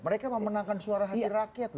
mereka memenangkan suara hati rakyat